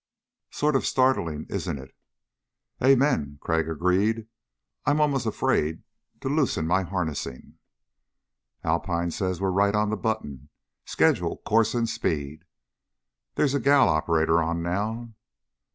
"Sort of startling, isn't it?" "Amen," Crag agreed. "I'm almost afraid to loosen my harnessing. "Alpine says we're right on the button schedule, course and speed. There's a gal operator on now."